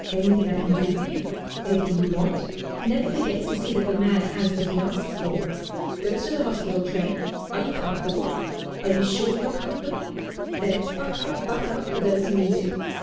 Anything I can do for you? Anything you want?' and never forgets to see that the man has what he asks for. Goes to the hospital train 'Are you comfortable? Are you sure you're comfortable?' Then it's 'Buck up! Buck up!' to those who need it.